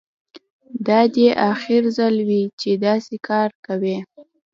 دا دې اخر ځل وي چې داسې کار کوې